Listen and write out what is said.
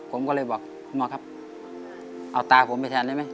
ผมก็เลยบอกคุณหมอครับเอาตาผมไปแทนได้ไหม